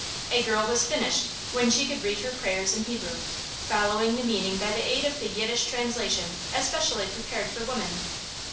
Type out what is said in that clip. A girl was "finished" when she could read her prayers in Hebrew, following the meaning by the aid of the Yiddish translation especially prepared for women.